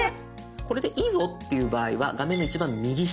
「これでいいぞ」っていう場合は画面の一番右下。